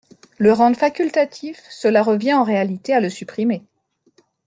Le rendre facultatif, cela revient en réalité à le supprimer.